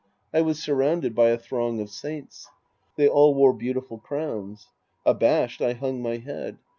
I was surrounded by a throng of saints. They all wore beautiful crowns. Abashed, I hung my head.